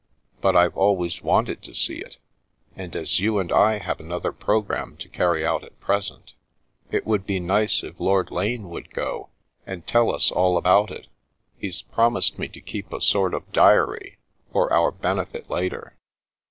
" But I've always wanted to see it, and as you and I have another programme to carry out at present, it would be nice if Lord Lane would go, and tell us all about it. He's promised me to keep a sort of diary, for our benefit later."